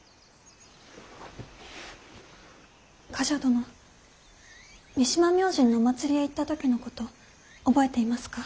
冠者殿三島明神のお祭りへ行った時のこと覚えていますか？